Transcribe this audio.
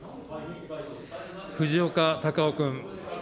藤岡隆雄君。